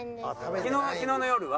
昨日の昨日の夜は？